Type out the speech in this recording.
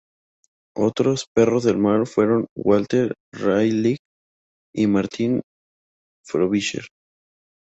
Otros "perros del mar" fueron Walter Raleigh y Martin Frobisher.